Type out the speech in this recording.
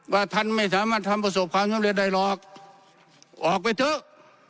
ว่าท่านไม่สามารถทำประสบความชมเรียนใดหรอกออกไปเถอะ